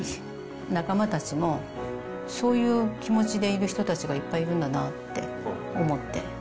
仲間たちもそういう気持ちでいる人たちがいっぱいいるんだなって思って。